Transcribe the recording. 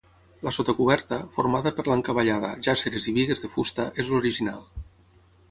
La sota coberta, formada per l'encavallada, jàsseres i bigues de fusta, és l'original.